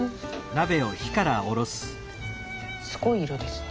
すごい色ですね。